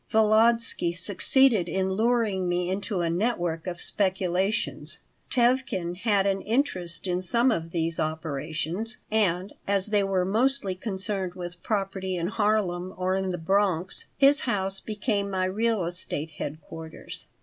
Volodsky succeeded in luring me into a network of speculations Tevkin had an interest in some of these operations, and, as they were mostly concerned with property in Harlem or in the Bronx, his house became my real estate headquarters.